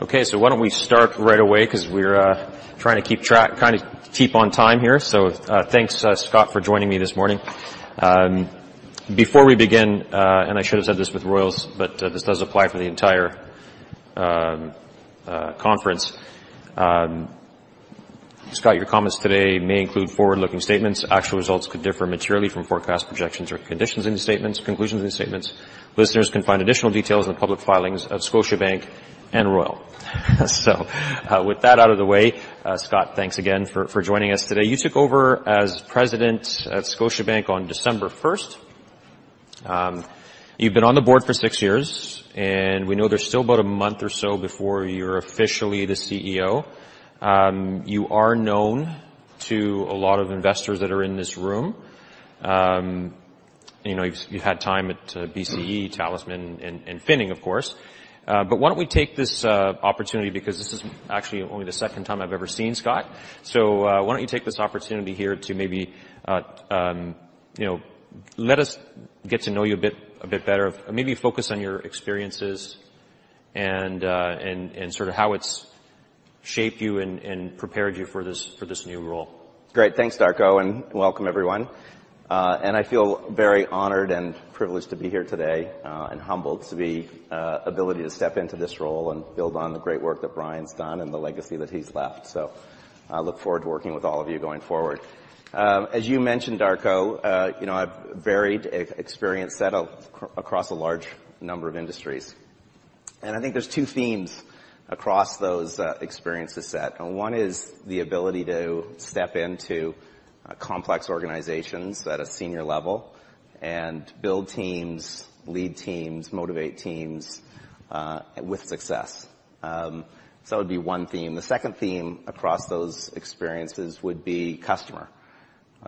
Okay, why don't we start right away because we're trying to keep on time here. Thanks, Scott, for joining me this morning. Before we begin, and I should have said this with Royal Bank of Canada, but this does apply for the entire conference. Scott, your comments today may include forward-looking statements. Actual results could differ materially from forecast projections or conditions in the statements, conclusions in the statements. Listeners can find additional details in the public filings of Scotiabank and Royal Bank of Canada. With that out of the way, Scott, thanks again for joining us today. You took over as president at Scotiabank on December 1st. You've been on the board for six years, and we know there's still about a month or so before you're officially the CEO. You are known to a lot of investors that are in this room. You know, you've had time at BCE, Talisman and Finning, of course. Why don't we take this opportunity because this is actually only the second time I've ever seen Scott. Why don't you take this opportunity here to maybe, you know, let us get to know you a bit better. Maybe focus on your experiences and sort of how it's shaped you and prepared you for this new role. Great. Thanks, Darko. Welcome everyone. I feel very honored and privileged to be here today and humbled to the ability to step into this role and build on the great work that Brian's done and the legacy that he's left. I look forward to working with all of you going forward. As you mentioned, Darko, you know, I've varied experience set across a large number of industries, and I think there's two themes across those experiences set. One is the ability to step into complex organizations at a senior level and build teams, lead teams, motivate teams with success. That would be one theme. The second theme across those experiences would be customer.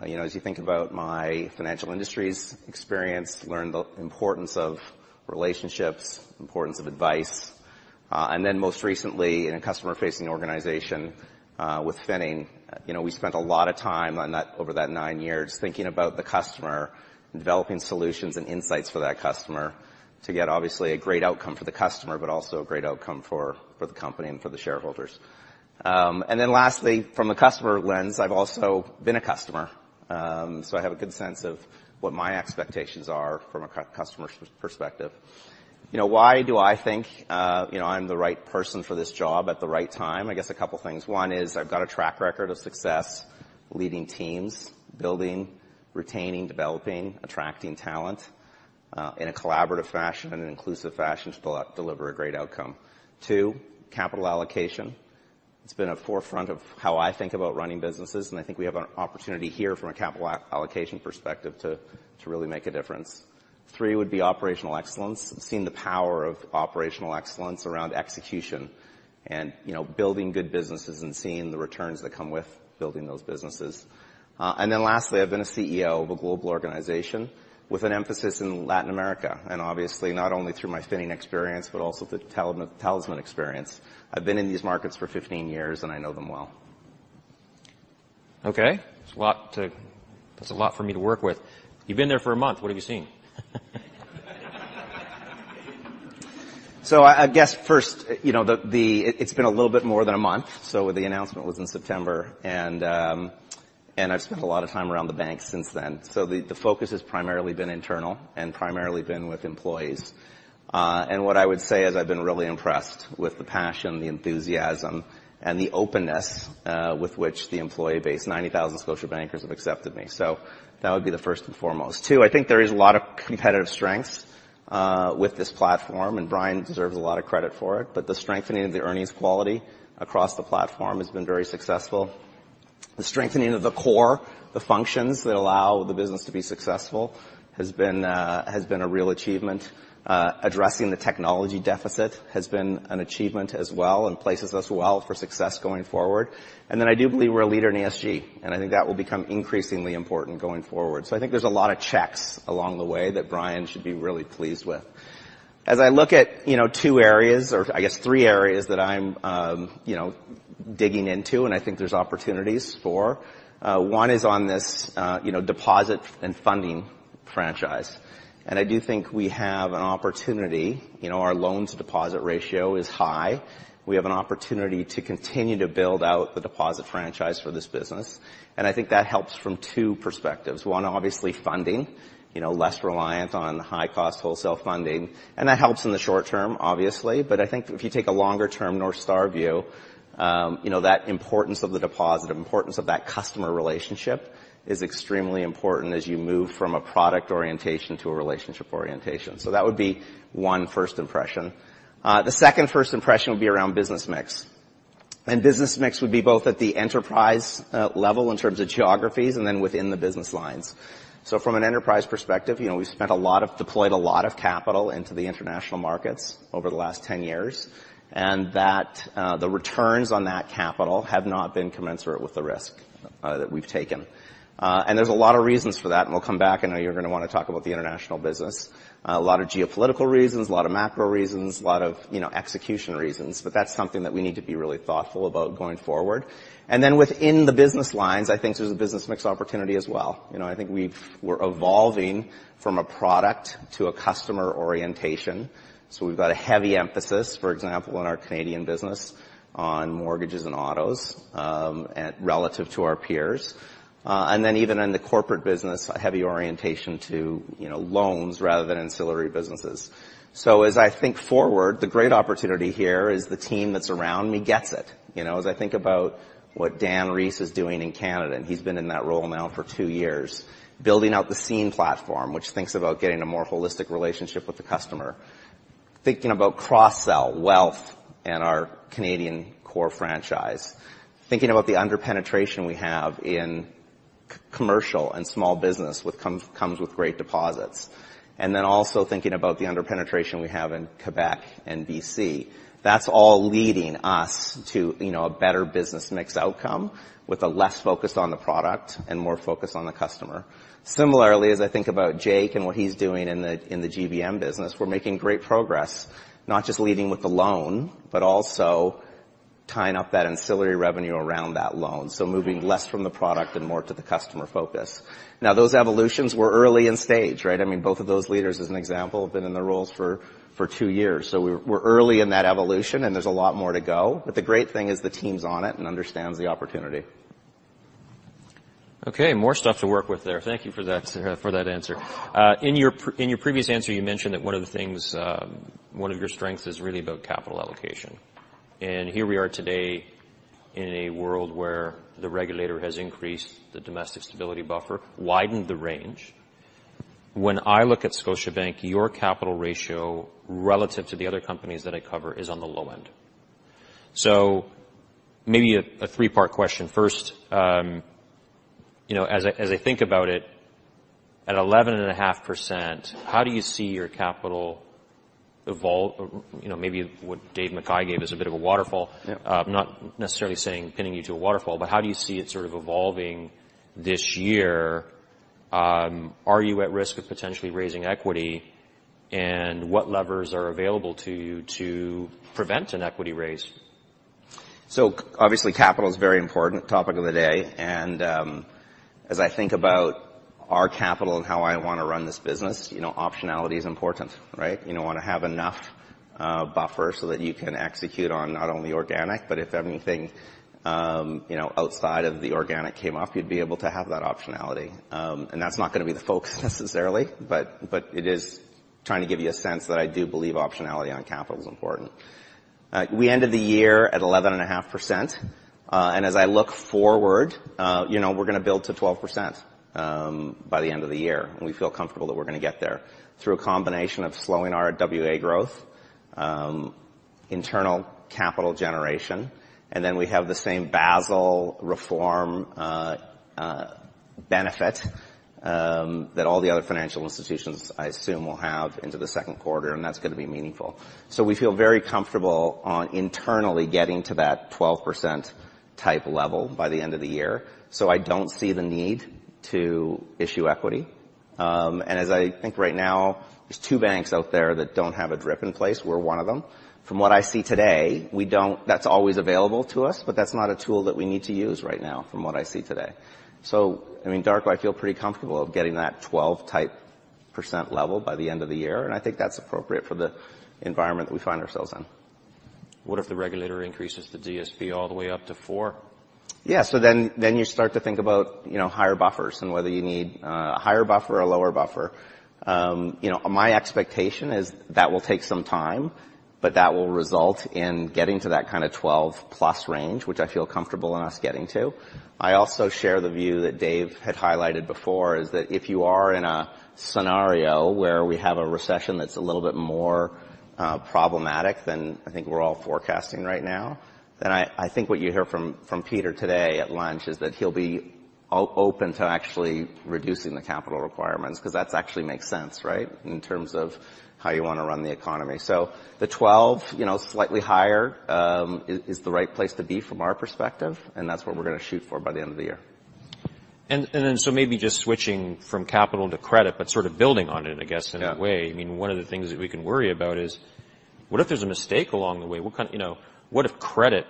You know, as you think about my financial industries experience, learned the importance of relationships, importance of advice, and then most recently in a customer-facing organization, with Finning. You know, we spent a lot of time on that over that nine years, thinking about the customer, developing solutions and insights for that customer to get obviously a great outcome for the customer, but also a great outcome for the company and for the shareholders. Lastly, from a customer lens, I've also been a customer, so I have a good sense of what my expectations are from a customer's perspective. You know, why do I think, you know, I'm the right person for this job at the right time? I guess a couple things. One is I've got a track record of success leading teams, building, retaining, developing, attracting talent, in a collaborative fashion and an inclusive fashion to deliver a great outcome. Two, capital allocation. It's been a forefront of how I think about running businesses, and I think we have an opportunity here from a capital allocation perspective to really make a difference. Three would be operational excellence. I've seen the power of operational excellence around execution and, you know, building good businesses and seeing the returns that come with building those businesses. And then lastly, I've been a CEO of a global organization with an emphasis in Latin America, and obviously not only through my Finning experience, but also the Talisman experience. I've been in these markets for 15 years, and I know them well. Okay. That's a lot for me to work with. You've been there for a month. What have you seen? I guess first, you know, it's been a little bit more than a month. The announcement was in September, and I've spent a lot of time around the bank since then. The focus has primarily been internal and primarily been with employees. And what I would say is I've been really impressed with the passion, the enthusiasm, and the openness with which the employee base, 90,000 Scotiabankers have accepted me. That would be the first and foremost. Two, I think there is a lot of competitive strengths with this platform, and Brian deserves a lot of credit for it. The strengthening of the earnings quality across the platform has been very successful. The strengthening of the core, the functions that allow the business to be successful has been a real achievement. Addressing the technology deficit has been an achievement as well and places us well for success going forward. I do believe we're a leader in ESG, and I think that will become increasingly important going forward. I think there's a lot of checks along the way that Brian should be really pleased with. As I look at, you know, two areas or I guess three areas that I'm, you know, digging into and I think there's opportunities for, one is on this, you know, deposit and funding franchise. I do think we have an opportunity. You know, our loans to deposit ratio is high. We have an opportunity to continue to build out the deposit franchise for this business, and I think that helps from two perspectives. One, obviously funding, you know, less reliant on high-cost wholesale funding, and that helps in the short term obviously. I think if you take a longer term North Star view, you know, that importance of the deposit, importance of that customer relationship is extremely important as you move from a product orientation to a relationship orientation. That would be one first impression. The two first impression would be around business mix. Business mix would be both at the enterprise level in terms of geographies and then within the business lines. From an enterprise perspective, you know, deployed a lot of capital into the international markets over the last 10 years, and that, the returns on that capital have not been commensurate with the risk that we've taken. There's a lot of reasons for that, and we'll come back. I know you're gonna wanna talk about the international business. A lot of geopolitical reasons, a lot of macro reasons, a lot of, you know, execution reasons, but that's something that we need to be really thoughtful about going forward. Within the business lines, I think there's a business mix opportunity as well. You know, I think we're evolving from a product to a customer orientation. We've got a heavy emphasis, for example, in our Canadian Business on mortgages and autos, relative to our peers. Even in the corporate business, a heavy orientation to, you know, loans rather than ancillary businesses. As I think forward, the great opportunity here is the team that's around me gets it. You know, as I think about what Dan Rees is doing in Canada, he's been in that role now for two years, building out the Scene+ platform, which thinks about getting a more holistic relationship with the customer. Thinking about cross-sell, wealth, and our Canadian core franchise. Thinking about the under-penetration we have in c-commercial and small business with comes with great deposits. Then also thinking about the under-penetration we have in Quebec and BC. That's all leading us to, you know, a better business mix outcome with a less focus on the product and more focus on the customer. Similarly, as I think about Jake and what he's doing in the GBM business, we're making great progress, not just leading with the loan, but also tying up that ancillary revenue around that loan, so moving less from the product and more to the customer focus. Those evolutions were early in stage, right? I mean, both of those leaders, as an example, have been in the roles for two years. We're early in that evolution, and there's a lot more to go. The great thing is the team's on it and understands the opportunity. Okay, more stuff to work with there. Thank you for that for that answer. In your previous answer, you mentioned that one of the things, one of your strengths is really about capital allocation. Here we are today in a world where the regulator has increased the domestic stability buffer, widened the range. When I look at Scotiabank, your capital ratio relative to the other companies that I cover is on the low end. Maybe a three-part question. First, you know, as I, as I think about it, at 11.5%, how do you see your capital evolve? You know, maybe what Dave McKay gave is a bit of a waterfall. Yeah. Not necessarily saying pinning you to a waterfall, but how do you see it sort of evolving this year? Are you at risk of potentially raising equity? What levers are available to you to prevent an equity raise? Obviously, capital is very important, topic of the day. As I think about our capital and how I wanna run this business, you know, optionality is important, right? You wanna have enough buffer so that you can execute on not only organic, but if anything, you know, outside of the organic came up, you'd be able to have that optionality. That's not gonna be the focus necessarily, but it is trying to give you a sense that I do believe optionality on capital is important. We ended the year at 11.5%. As I look forward, you know, we're gonna build to 12% by the end of the year. We feel comfortable that we're going to get there through a combination of slowing our RWA growth, internal capital generation, and then we have the same Basel reform benefit that all the other financial institutions, I assume, will have into the second quarter, and that's going to be meaningful. We feel very comfortable on internally getting to that 12% type level by the end of the year. I don't see the need to issue equity. And as I think right now, there's two banks out there that don't have a DRIP in place. We're one of them. From what I see today, we don't. That's always available to us, but that's not a tool that we need to use right now from what I see today. I mean, Darko, I feel pretty comfortable of getting that 12 type percent. Level by the end of the year, and I think that's appropriate for the environment we find ourselves in. What if the regulator increases the DSB all the way up to four? Yeah. You start to think about, you know, higher buffers and whether you need a higher buffer or lower buffer. You know, my expectation is that will take some time, but that will result in getting to that kind of 12+ range, which I feel comfortable in us getting to. I also share the view that Dave McKay had highlighted before, is that if you are in a scenario where we have a recession that's a little bit more problematic than I think we're all forecasting right now, then I think what you hear from Peter today at lunch is that he'll be open to actually reducing the capital requirements because that's actually makes sense, right, in terms of how you wanna run the economy. The 12, you know, slightly higher, is the right place to be from our perspective, and that's what we're gonna shoot for by the end of the year. Maybe just switching from capital to credit, but sort of building on it, I guess. Yeah. in a way. I mean, one of the things that we can worry about is what if there's a mistake along the way? You know, what if credit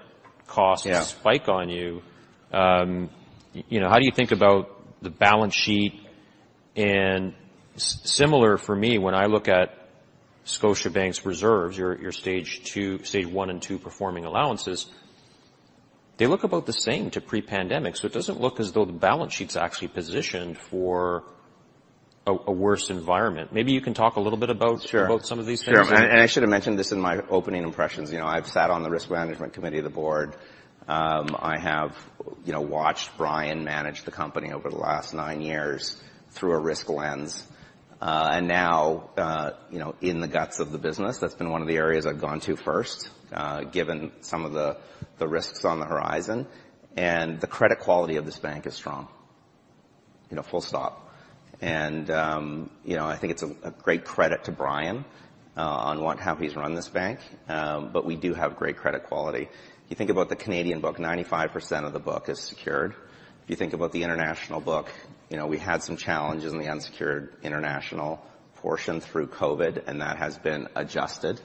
costs... Yeah. -spike on you? you know, how do you think about the balance sheet? Similar for me when I look at Scotiabank's reserves, your stage one and two performing allowances, they look about the same to pre-pandemic. It doesn't look as though the balance sheet's actually positioned for a worse environment. Maybe you can talk a little bit about some of these things. Sure. I should have mentioned this in my opening impressions. You know, I've sat on the risk management committee of the board. You know, watched Brian manage the company over the last nine years through a risk lens. Now, you know, in the guts of the business, that's been one of the areas I've gone to first, given some of the risks on the horizon. The credit quality of this bank is strong. You know, full stop. You know, I think it's a great credit to Brian on how he's run this bank. But we do have great credit quality. If you think about the Canadian book, 95% of the book is secured. If you think about the international book, you know, we had some challenges in the unsecured international portion through COVID, and that has been adjusted.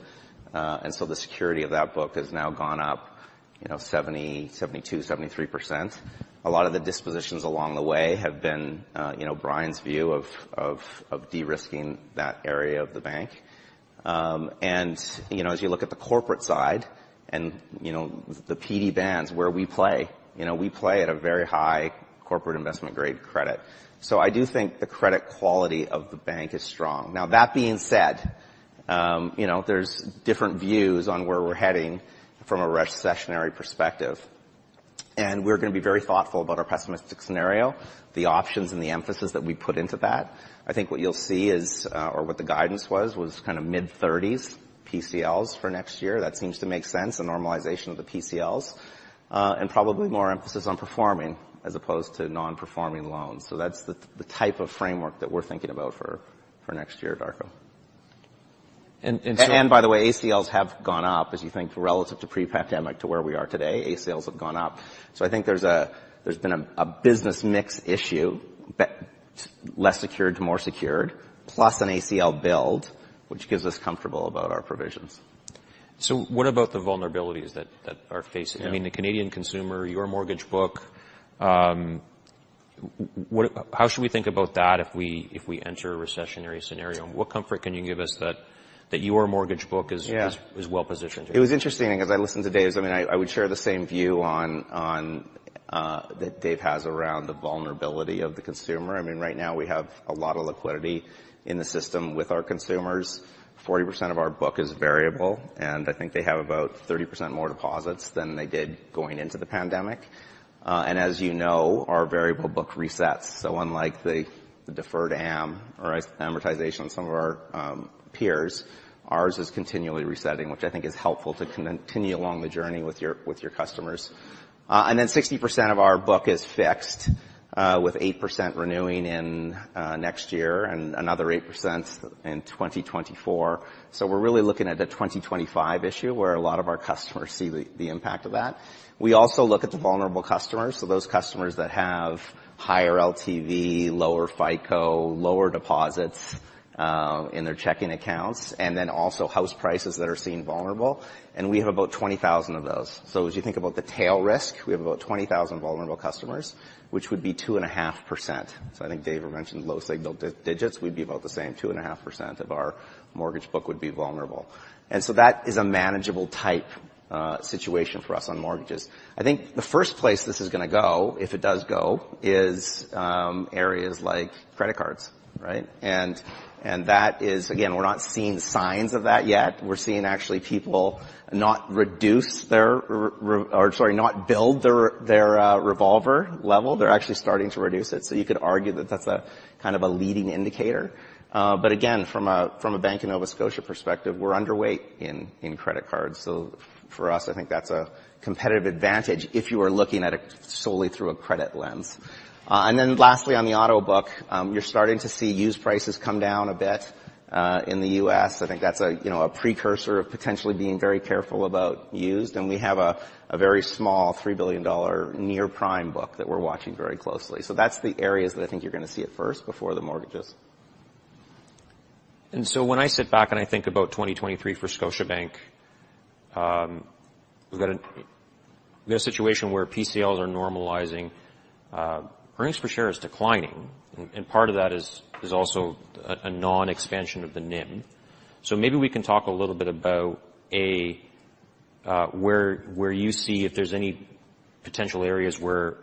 The security of that book has now gone up, you know, 70%, 72%, 73%. A lot of the dispositions along the way have been, you know, Brian's view of de-risking that area of the bank. As you look at the corporate side and, you know, the PD bands where we play, you know, we play at a very high corporate investment grade credit. I do think the credit quality of the bank is strong. Now that being said, you know, there's different views on where we're heading from a recessionary perspective, and we're gonna be very thoughtful about our pessimistic scenario, the options and the emphasis that we put into that. I think what you'll see is, or what the guidance was kind of mid-30s PCLs for next year. That seems to make sense, a normalization of the PCLs, and probably more emphasis on performing as opposed to non-performing loans. That's the type of framework that we're thinking about for next year, Darko. By the way, ACLs have gone up as you think relative to pre-pandemic to where we are today. ACLs have gone up. I think there's been a business mix issue, but less secured to more secured, plus an ACL build, which gives us comfortable about our provisions. What about the vulnerabilities that are facing? Yeah. I mean, the Canadian consumer, your mortgage book, how should we think about that if we enter a recessionary scenario? What comfort can you give us that your mortgage book is well positioned? It was interesting as I listened to Dave. I mean, I would share the same view on that Dave has around the vulnerability of the consumer. I mean, right now we have a lot of liquidity in the system with our consumers. 40% of our book is variable, and I think they have about 30% more deposits than they did going into the pandemic. As you know, our variable book resets. Unlike the deferred AM or amortization of some of our peers, ours is continually resetting, which I think is helpful to continue along the journey with your customers. 60% of our book is fixed, with 8% renewing in next year and another 8% in 2024. We're really looking at the 2025 issue where a lot of our customers see the impact of that. We also look at the vulnerable customers, so those customers that have higher LTV, lower FICO, lower deposits in their checking accounts, and then also house prices that are seen vulnerable. We have about 20,000 of those. As you think about the tail risk, we have about 20,000 vulnerable customers, which would be 2.5%. I think Dave mentioned low single digits. We'd be about the same. 2.5% of our mortgage book would be vulnerable. That is a manageable type situation for us on mortgages. I think the first place this is gonna go, if it does go, is areas like credit cards, right? That is again, we're not seeing signs of that yet. We're seeing actually people not reduce their or sorry, not build their revolver level. They're actually starting to reduce it. You could argue that that's a kind of a leading indicator. Again, from a, from a The Bank of Nova Scotia perspective, we're underweight in credit cards. For us, I think that's a competitive advantage if you are looking at it solely through a credit lens. Lastly, on the auto book, you're starting to see used prices come down a bit in the U.S. I think that's a, you know, a precursor of potentially being very careful about used. We have a very small 3 billion dollar near-prime book that we're watching very closely. That's the areas that I think you're going to see it first before the mortgages. When I sit back and I think about 2023 for Scotiabank, we've got this situation where PCLs are normalizing, earnings per share is declining, and part of that is also a non-expansion of the NIM. Maybe we can talk a little bit about, A, where you see if there's any potential areas where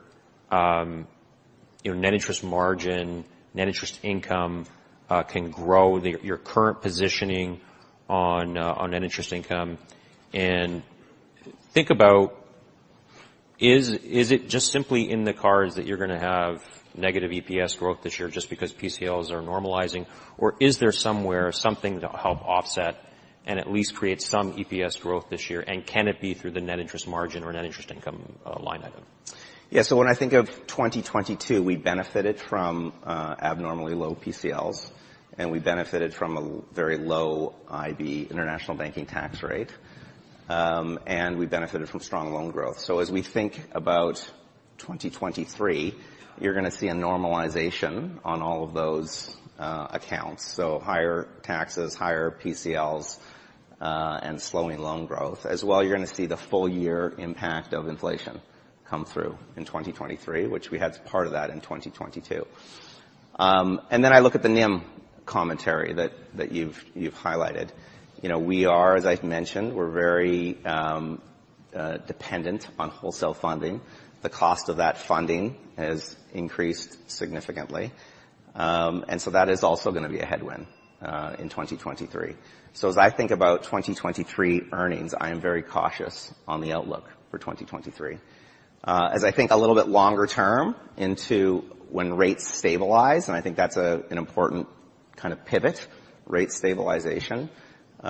your net interest margin, net interest income, can grow, your current positioning on net interest income, and think about is it just simply in the cards that you're gonna have negative EPS growth this year just because PCLs are normalizing? Is there somewhere something that will help offset and at least create some EPS growth this year? Can it be through the net interest margin or net interest income, line item? When I think of 2022, we benefited from abnormally low PCLs, and we benefited from a very low IB, international banking tax rate. We benefited from strong loan growth. As we think about 2023, you're gonna see a normalization on all of those accounts. Higher taxes, higher PCLs, and slowing loan growth. As well, you're gonna see the full year impact of inflation come through in 2023, which we had part of that in 2022. I look at the NIM commentary that you've highlighted. You know, we are, as I've mentioned, we're very dependent on wholesale funding. The cost of that funding has increased significantly. That is also gonna be a headwind in 2023. As I think about 2023 earnings, I am very cautious on the outlook for 2023. As I think a little bit longer term into when rates stabilize, and I think that's an important kind of pivot, rate stabilization, you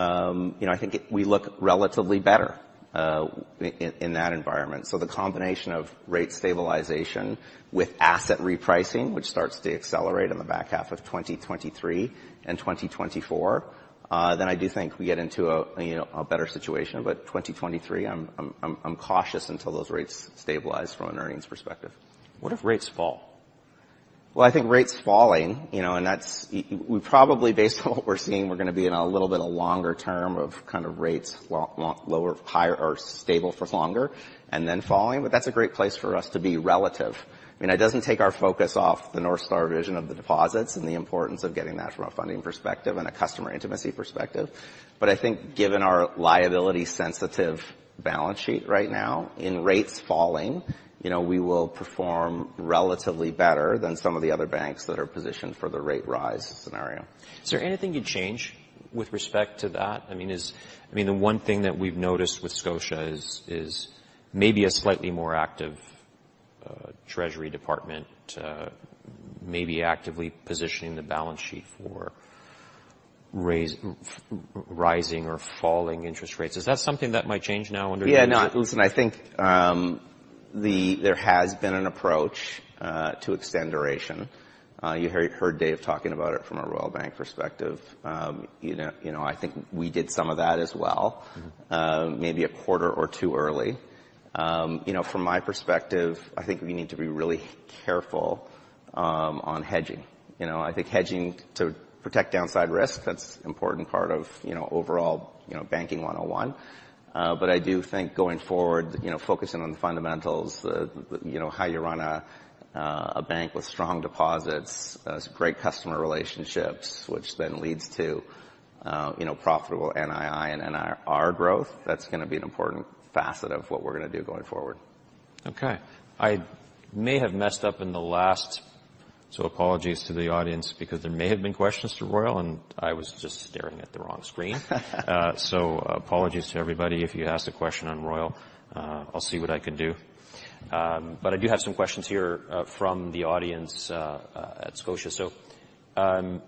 know, I think we look relatively better in that environment. The combination of rate stabilization with asset repricing, which starts to accelerate in the back half of 2023 and 2024, then I do think we get into a, you know, a better situation. 2023, I'm cautious until those rates stabilize from an earnings perspective. What if rates fall? I think rates falling, you know, and that's we probably based on what we're seeing we're gonna be in a little bit of longer term of kind of rates lower or higher or stable for longer and then falling, but that's a great place for us to be relative. I mean, it doesn't take our focus off the North Star vision of the deposits and the importance of getting that from a funding perspective and a customer intimacy perspective. I think given our liability sensitive balance sheet right now, in rates falling, you know, we will perform relatively better than some of the other banks that are positioned for the rate rise scenario. Is there anything you'd change with respect to that? I mean, the one thing that we've noticed with Scotia is maybe a slightly more active treasury department, maybe actively positioning the balance sheet for rising or falling interest rates. Is that something that might change now under new management? Yeah. No, listen, I think, there has been an approach to extend duration. You heard Dave McKay talking about it from a Royal Bank perspective. You know, I think we did some of that as well. Maybe a quarter or two early. You know, from my perspective, I think we need to be really careful on hedging. You know, I think hedging to protect downside risk, that's important part of, you know, overall, you know, banking 101. I do think going forward, you know, focusing on the fundamentals, the, you know, how you run a bank with strong deposits, some great customer relationships, which then leads to, you know, profitable NII and NIR growth, that's gonna be an important facet of what we're gonna do going forward. Okay. I may have messed up in the last, so apologies to the audience because there may have been questions to Royal, and I was just staring at the wrong screen. Apologies to everybody if you asked a question on Royal. I'll see what I can do. I do have some questions here from the audience at Scotia. The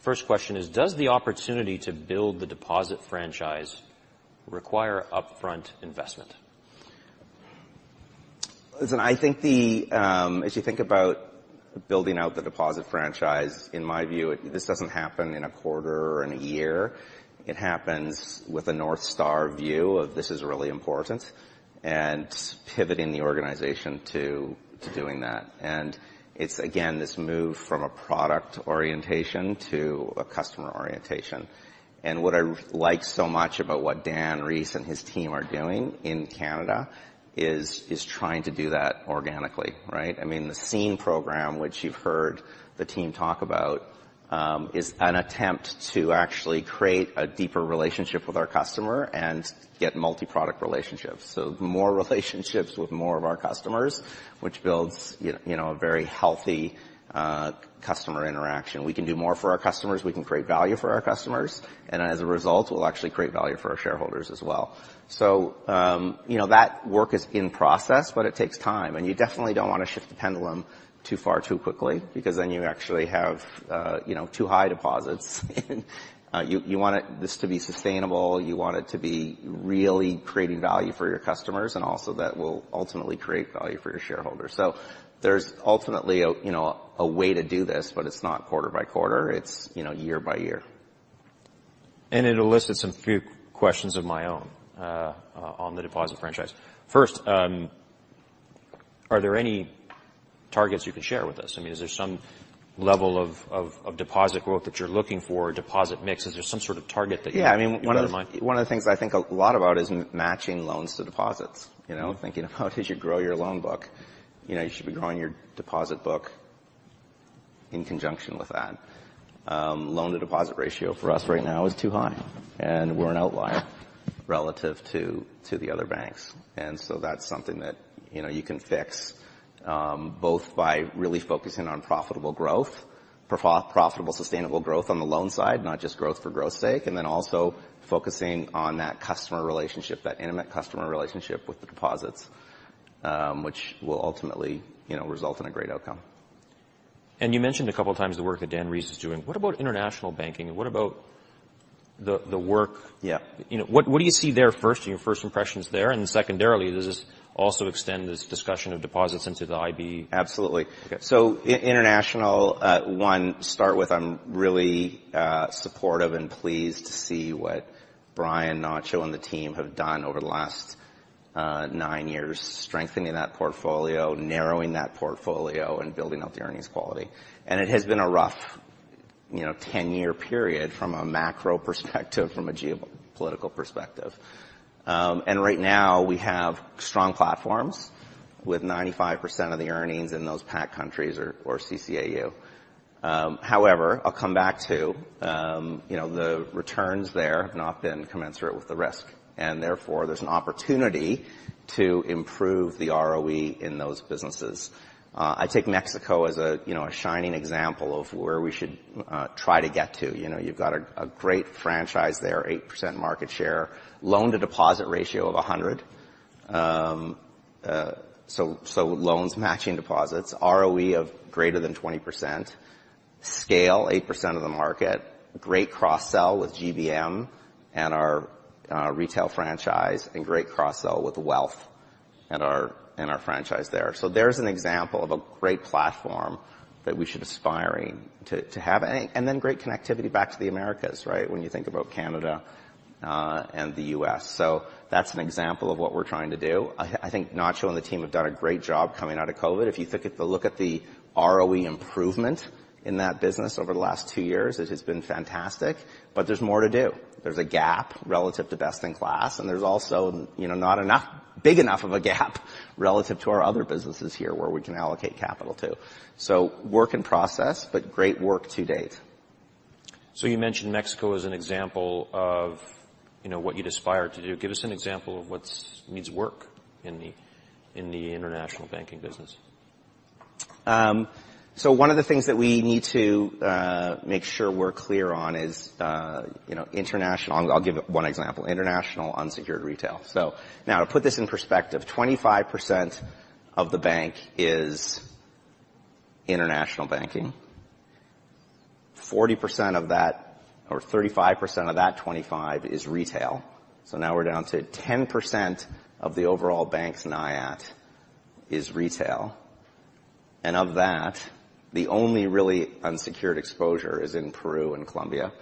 first question is, does the opportunity to build the deposit franchise require upfront investment? Listen, I think the, as you think about building out the deposit franchise, in my view, this doesn't happen in a quarter or in a year. It happens with a North Star view of this is really important and pivoting the organization to doing that. It's again this move from a product orientation to a customer orientation. What I like so much about what Dan Rees and his team are doing in Canada is trying to do that organically, right? I mean, the Scene+ program which you've heard the team talk about, is an attempt to actually create a deeper relationship with our customer and get multi-product relationships. More relationships with more of our customers, which builds, you know, a very healthy, customer interaction. We can do more for our customers, we can create value for our customers, and as a result, we'll actually create value for our shareholders as well. you know, that work is in process, but it takes time, and you definitely don't want to shift the pendulum too far too quickly, because then you actually have, you know, too high deposits and, you want this to be sustainable. You want it to be really creating value for your customers and also that will ultimately create value for your shareholders. there's ultimately a, you know, a way to do this, but it's not quarter by quarter. It's, you know, year by year. it elicited some few questions of my own, on the deposit franchise. First, are there any targets you can share with us? I mean, is there some level of deposit growth that you're looking for or deposit mix? Is there some sort of target that you have in mind? Yeah. I mean, one of the, one of the things I think a lot about is matching loans to deposits. You know? Thinking about as you grow your loan book, you know, you should be growing your deposit book in conjunction with that. loan to deposit ratio for us right now is too high, and we're an outlier relative to the other banks. That's something that, you know, you can fix, both by really focusing on profitable growth, profitable, sustainable growth on the loan side, not just growth for growth's sake, and then also focusing on that customer relationship, that intimate customer relationship with the deposits, which will ultimately, you know, result in a great outcome. You mentioned a couple times the work that Dan Rees is doing. What about international banking? What about the work? Yeah. You know, what do you see there first, your first impressions there? Secondarily, does this also extend this discussion of deposits into the IB? Absolutely. Okay. International, one, start with, I'm really supportive and pleased to see what Brian Porter and the team have done over the last 9 years strengthening that portfolio, narrowing that portfolio and building out the earnings quality. It has been a rough, you know, 10-year period from a macro perspective, from a geopolitical perspective. Right now we have strong platforms with 95% of the earnings in those PAC countries or CCAU. However, I'll come back to, you know, the returns there have not been commensurate with the risk, and therefore, there's an opportunity to improve the ROE in those businesses. I take Mexico as a, you know, a shining example of where we should try to get to. You know, you've got a great franchise there, 8% market share, loan-to-deposit ratio of 100. Loans matching deposits. ROE of greater than 20%. Scale, 8% of the market. Great cross-sell with GBM and our retail franchise and great cross-sell with wealth and our franchise there. There's an example of a great platform that we should aspiring to have. Great connectivity back to the Americas, right? When you think about Canada and the US. That's an example of what we're trying to do. I think Nacho and the team have done a great job coming out of COVID. If you take a look at the ROE improvement in that business over the last 2 years, it has been fantastic, but there's more to do. There's a gap relative to best in class, and there's also, you know, big enough of a gap relative to our other businesses here where we can allocate capital to. Work in process, but great work to date. You mentioned Mexico as an example of, you know, what you'd aspire to do. Give us an example of what's needs work in the, in the international banking business. One of the things that we need to make sure we're clear on is, you know, international. I'll give one example. International unsecured retail. Now to put this in perspective, 25% of the bank is international banking. 40% of that, or 35% of that 25% is retail. Now we're down to 10% of the overall bank's NIAT is retail. Of that, the only really unsecured exposure is in Peru and Colombia.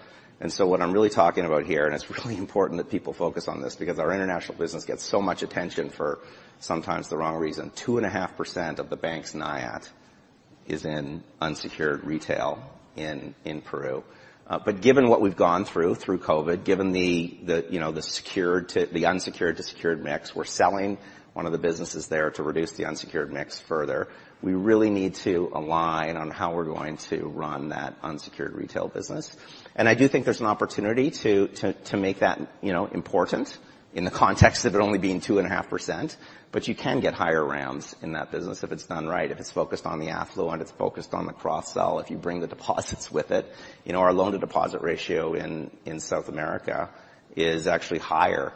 What I'm really talking about here, and it's really important that people focus on this, because our international business gets so much attention for sometimes the wrong reason. 2.5% of the bank's NIAT is in unsecured retail in Peru. Given what we've gone through through COVID, given the, you know, the secured to. the unsecured to secured mix, we're selling one of the businesses there to reduce the unsecured mix further. We really need to align on how we're going to run that unsecured retail business. I do think there's an opportunity to make that, you know, important in the context of it only being 2.5%. You can get higher rounds in that business if it's done right, if it's focused on the affluent, it's focused on the cross-sell, if you bring the deposits with it. You know, our loan-to-deposit ratio in South America is actually higher,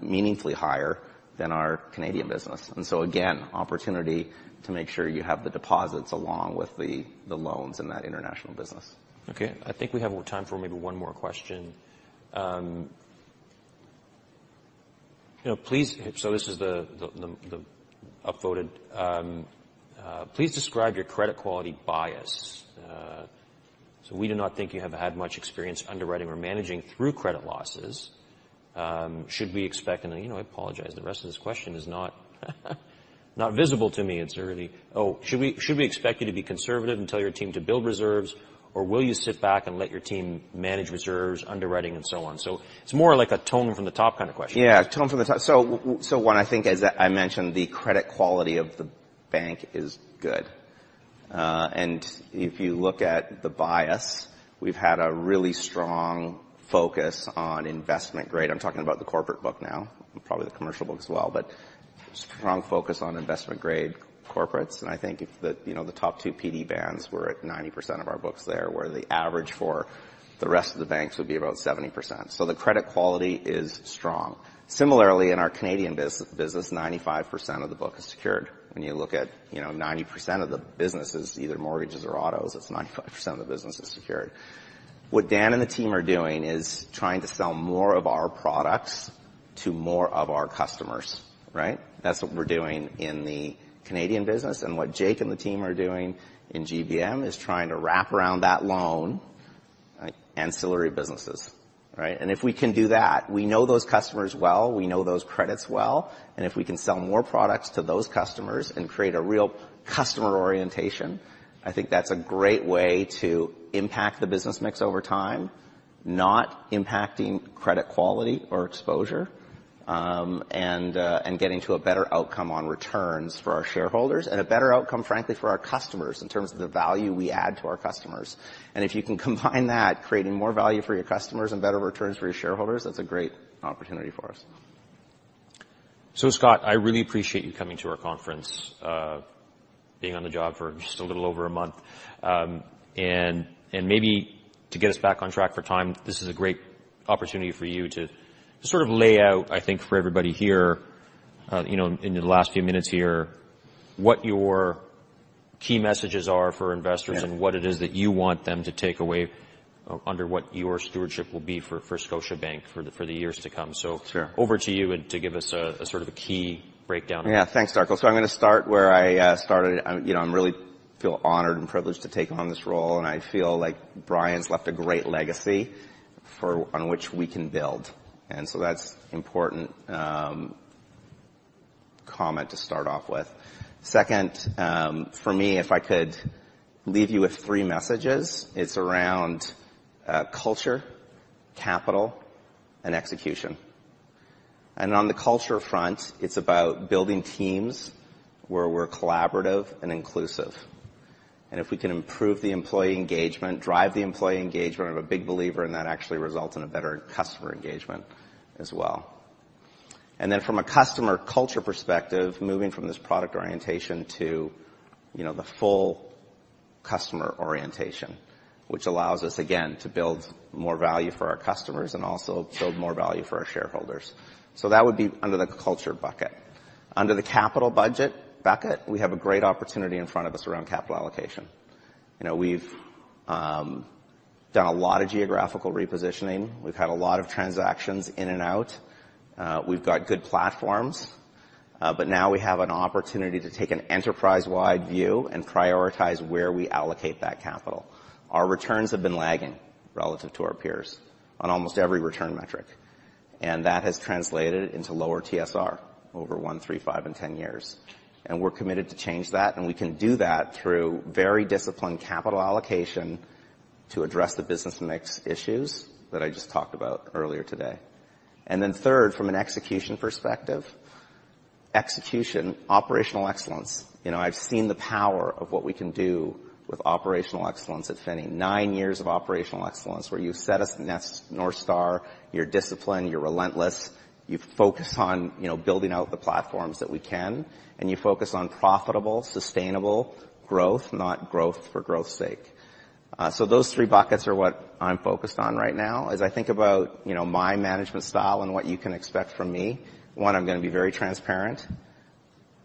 meaningfully higher than our Canadian business. Again, opportunity to make sure you have the deposits along with the loans in that international business. Okay. I think we have more time for maybe one more question. you know, please so this is the upvoted. please describe your credit quality bias. We do not think you have had much experience underwriting or managing through credit losses. should we expect. And you know, I apologize, the rest of this question is not visible to me. It's already. Oh, should we expect you to be conservative and tell your team to build reserves, or will you sit back and let your team manage reserves, underwriting, and so on? It's more like a tone from the top kind of question. Yeah, tone from the top. One, I think, as I mentioned, the credit quality of the bank is good. If you look at the bias, we've had a really strong focus on investment grade. I'm talking about the corporate book now, and probably the commercial book as well. Strong focus on investment grade corporates. I think if the, you know, the top two PD bands were at 90% of our books there, where the average for the rest of the banks would be about 70%. The credit quality is strong. Similarly, in our Canadian business, 95% of the book is secured. When you look at, you know, 90% of the business is either mortgages or autos, it's 95% of the business is secured. What Dan and the team are doing is trying to sell more of our products to more of our customers, right? That's what we're doing in the Canadian business. What Jake and the team are doing in GBM is trying to wrap around that loan, like ancillary businesses, right? If we can do that, we know those customers well, we know those credits well, and if we can sell more products to those customers and create a real customer orientation, I think that's a great way to impact the business mix over time, not impacting credit quality or exposure, and getting to a better outcome on returns for our shareholders and a better outcome, frankly, for our customers in terms of the value we add to our customers. If you can combine that, creating more value for your customers and better returns for your shareholders, that's a great opportunity for us. Scott, I really appreciate you coming to our conference, being on the job for just a little over a month. Maybe to get us back on track for time, this is a great opportunity for you to sort of lay out, I think, for everybody here, you know, in the last few minutes here, what your key messages are for investors. Yeah. What it is that you want them to take away under what your stewardship will be for Scotiabank for the years to come over to you and to give us a sort of a key breakdown. Thanks, Darko. I'm gonna start where I started. I'm, you know, I'm really feel honored and privileged to take on this role, and I feel like Brian's left a great legacy on which we can build. That's important comment to start off with. Second, for me, if I could leave you with three messages, it's around culture, capital, and execution. On the culture front, it's about building teams where we're collaborative and inclusive. If we can improve the employee engagement, drive the employee engagement, I'm a big believer in that actually results in a better customer engagement as well. From a customer culture perspective, moving from this product orientation to, you know, the full customer orientation, which allows us again, to build more value for our customers and also build more value for our shareholders. That would be under the culture bucket. Under the capital budget bucket, we have a great opportunity in front of us around capital allocation. You know, we've done a lot of geographical repositioning. We've had a lot of transactions in and out. We've got good platforms, but now we have an opportunity to take an enterprise-wide view and prioritize where we allocate that capital. Our returns have been lagging relative to our peers on almost every return metric, and that has translated into lower TSR over 1, 3, 5, and 10 years. We're committed to change that, and we can do that through very disciplined capital allocation to address the business mix issues that I just talked about earlier today. Third, from an execution perspective, execution, operational excellence. You know, I've seen the power of what we can do with operational excellence at Finning. 9 years of operational excellence where you set a North Star, you're disciplined, you're relentless, you focus on, you know, building out the platforms that we can, and you focus on profitable, sustainable growth, not growth for growth's sake. Those three buckets are what I'm focused on right now. As I think about, you know, my management style and what you can expect from me. One, I'm gonna be very transparent.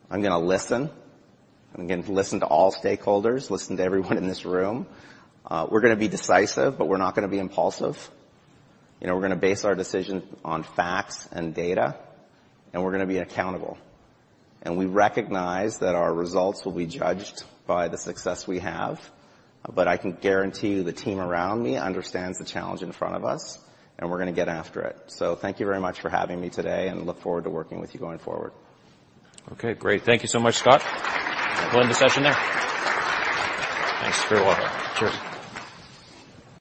I'm gonna listen. I'm going to listen to all stakeholders, listen to everyone in this room. We're gonna be decisive, but we're not gonna be impulsive. You know, we're gonna base our decisions on facts and data, and we're gonna be accountable. We recognize that our results will be judged by the success we have. I can guarantee you the team around me understands the challenge in front of us, and we're gonna get after it. Thank you very much for having me today, and look forward to working with you going forward. Okay, great. Thank you so much, Scott. We'll end the session there. Thanks. You're welcome. Cheers.